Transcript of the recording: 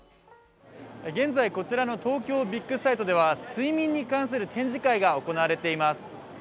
現在、こちらの東京ビッグサイトでは睡眠に関する展示会が行われています。